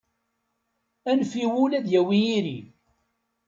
Anef i wul ad yawi iri.